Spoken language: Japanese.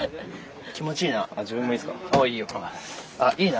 気持ちいいな。